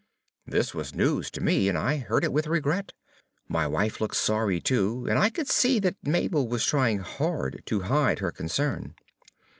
This was news to me, and I heard it with regret. My wife looked sorry, too, and I could see that Mabel was trying hard to hide her concern.